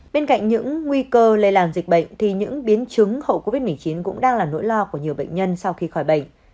bên cạnh những nguy cơ lây làn dịch bệnh thì những biến chứng hậu covid một mươi chín cũng đang là nỗi lo của nhiều bệnh nhân sau khi khỏi bệnh